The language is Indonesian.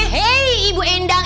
hei ibu endang